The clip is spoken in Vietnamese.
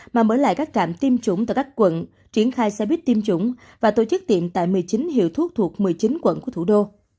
mà mở lại các trạm tiêm chủng tại các quận triển khai xe buýt tiêm chủng và tổ chức tiệm tại một mươi chín hiệu thuốc thuộc một mươi chín quận của thủ đô